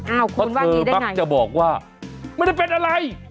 อ้าวคุณว่าอย่างนี้ได้ไงว่าเธอบั๊กจะบอกว่าไม่ได้เป็นอะไร